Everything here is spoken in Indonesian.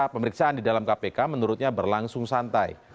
pemeriksaan di dalam kpk menurutnya berlangsung santai